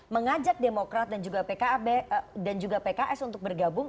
mengajak demokrat dan juga pks untuk bergabung